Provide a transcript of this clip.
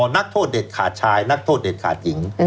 นักโทษเด็ดขาดชายนักโทษเด็ดขาดหญิง